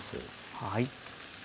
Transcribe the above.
はい。